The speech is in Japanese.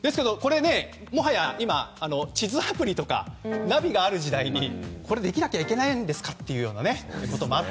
もはや今、地図アプリとかナビがある時代にこれできなきゃいけないんですかということもあり